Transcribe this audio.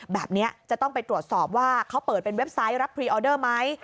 แบบนี้จะต้องไปตรวจสอบว่าเขาเปิดเป็นเว็บไซต์รับพรีออเดอร์ไหม